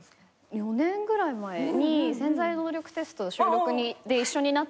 ４年ぐらい前に『潜在能力テスト』の収録で一緒になって。